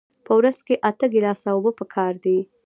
په ورځ کې اته ګیلاسه اوبه پکار دي